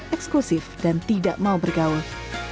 eksklusif dan tidak mau bergaul